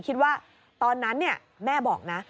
คิดว่าตอนนั้นแม่บอกนะ